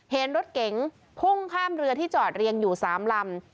เห็นรถเก๋งพุ่งข้ามเรือที่จอดเรียงอยู่๓ลำ